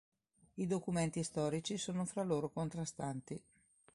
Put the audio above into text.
I documenti storici sono fra loro contrastanti.